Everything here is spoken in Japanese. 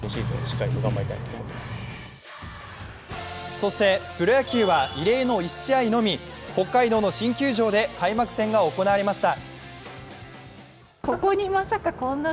そしてプロ野球は異例の１試合のみ北海道の新球場で開幕戦が行われました。